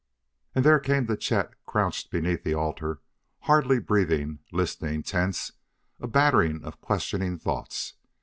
And there came to Chet, crouched beneath the altar, hardly breathing, listening, tense, a battering of questioning thoughts.